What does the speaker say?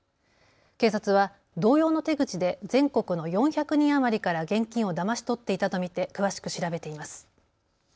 警察は同様の手口で全国の４００人余りから現金をだまし取っていたと見て詳しく調べています。